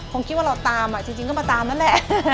คงคิดว่าเราตามจริงก็มาตามนั่นแหละ